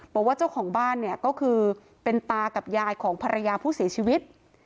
บอกว่าเจ้าของบ้านเนี่ยก็คือเป็นตากับยายของภรรยาผู้เสียชีวิต